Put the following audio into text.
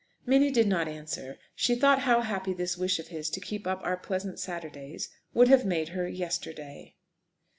Minnie did not answer. She thought how happy this wish of his to keep up "our pleasant Saturdays" would have made her yesterday!